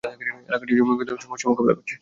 এলাকাটি জমি অধিগ্রহণের সমস্যা মোকাবিলা করছে।